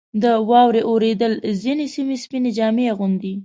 • د واورې اورېدل ځینې سیمې سپینې جامې اغوندي.